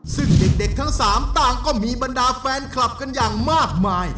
ซึ่งเด็กทั้ง๓ต่างก็มีบรรดาแฟนคลับกันอย่างมากมาย